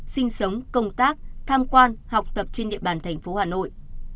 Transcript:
sinh sống công tác tham quan học tập trên địa bàn thành phố hà nội